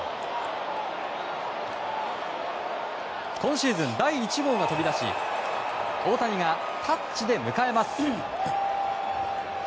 今シーズン第１号が飛び出し大谷がタッチで迎えます。